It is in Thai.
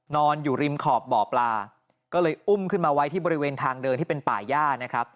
นอนอยู่ริมขอบบ่อปลาก็เลยอุ้มขึ้นมาไว้ที่บริเวณทางเดินที่เป็นป่าย่านะครับ